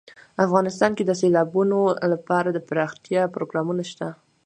افغانستان کې د سیلابونه لپاره دپرمختیا پروګرامونه شته.